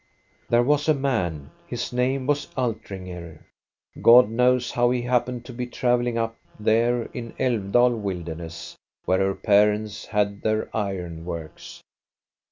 " There was a man, his name was Altringer. God knows how he happened to be travelling up there in Alfdal wildernesses, where her parents had their iron works.